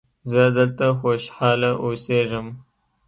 زه دلته خوشحاله اوسیږم.